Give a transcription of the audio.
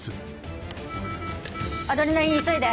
アドレナリン急いで。